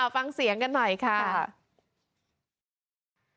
ฟังเสียงกันหน่อยค่ะ